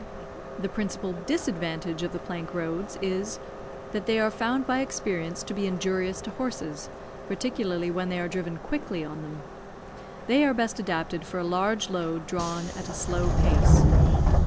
The principal disadvantage of the plank roads is, that they are found by experience to be injurious to horses, particularly when they are driven quickly on them. They are best adapted for a large load drawn at a slow pace.